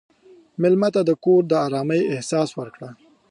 مېلمه ته د کور د ارامۍ احساس ورکړه.